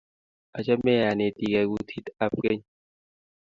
achame anetigei kutii ab keny